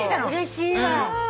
うれしいわ。